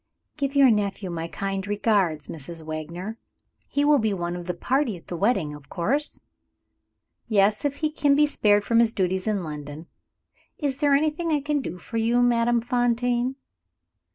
"Give your nephew my kind regards, Mrs. Wagner. He will be one of the party at the wedding, of course?" "Yes if he can be spared from his duties in London. Is there anything I can do for you, Madame Fontaine?"